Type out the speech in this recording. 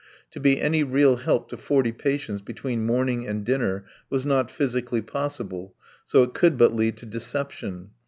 To be any real help to forty patients between morning and dinner was not physically possible, so it could but lead to deception.